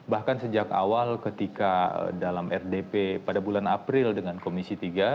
bahkan sejak awal ketika dalam rdp pada bulan april dengan komisi tiga